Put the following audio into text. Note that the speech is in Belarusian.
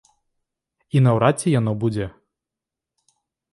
І наўрад ці яно будзе.